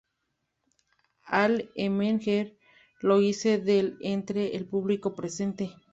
Al emerger, lo hace de entre el público presente.